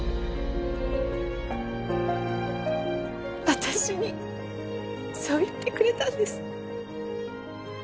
私にそう言ってくれたんです。